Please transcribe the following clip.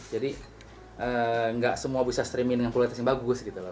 jadi nggak semua bisa streaming dengan kualitas yang bagus gitu loh